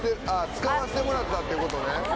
使わせてもらったってことね。